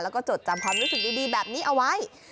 แล้วก็จดจำความรู้สึกดีแบบนี้เอาไว้